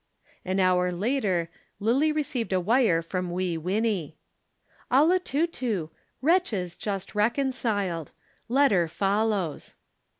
An hour later Lillie received a wire from Wee Winnie. "_Olotutu. Wretches just reconciled. Letter follows.